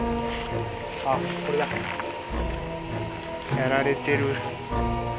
やられてる。